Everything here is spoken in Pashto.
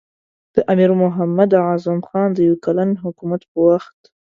د امیر محمد اعظم خان د یو کلن حکومت په وخت.